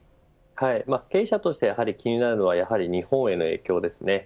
経営者として気になるのはやはり日本への影響です。